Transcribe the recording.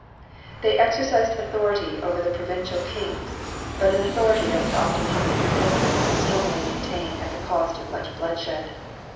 They exercised authority over the provincial kings, but an authority that was often hotly contested, and stormily maintained at the cost of much bloodshed.